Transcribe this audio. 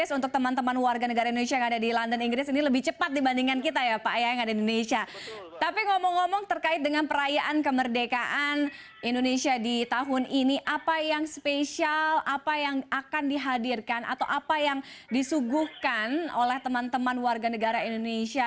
pak thomas selamat sore waktu indonesia saya harus bilang dulu ini merdeka pak thomas